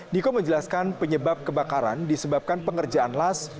niko menjelaskan penyebab kebakaran disebabkan pengerjaan las